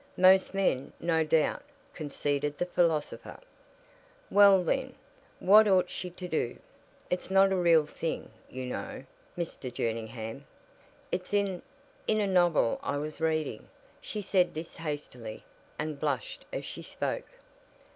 "Most men, no doubt," conceded the philosopher. "Well then, what ought she to do? It's not a real thing, you know, Mr. Jerningham. It's in in a novel I was reading." She said this hastily, and blushed as she spoke.